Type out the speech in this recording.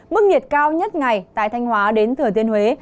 mức nhiệt cao nhất ngày tại thanh hóa đến thừa thiên huế